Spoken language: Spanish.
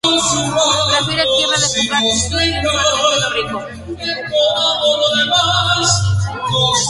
Prefiere tierras de poca altitud, y un suelo húmedo rico.